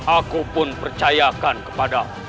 aku pun percayakan kepada